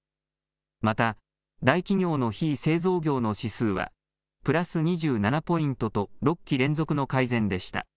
また大企業の非製造業の指数はプラス２７ポイントと６期連続の改善でした。